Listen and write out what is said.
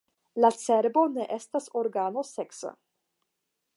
La cerbo ne estas organo seksa.